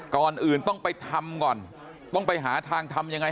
ก่อนอื่นต้องไปทำก่อนต้องไปหาทางทำยังไง